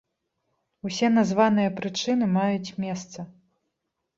Усе названыя прычыны маюць месца.